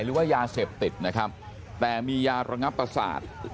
หรือว่ายาเสพติดนะครับแต่มียาระงับประสาท